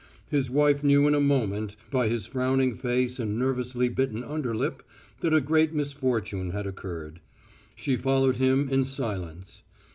His wife knew in a moment by his frowning face and nervously bitten underlip that a great misfortune had occurred. She followed him in silence.